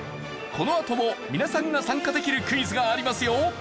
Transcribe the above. このあとも皆さんが参加できるクイズがありますよ！